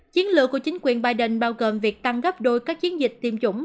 chiến lược của chính quyền biden bao gồm việc tăng gấp đôi các chiến dịch tiêm chủng